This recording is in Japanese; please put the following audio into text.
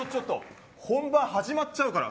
本番始まっちゃうから。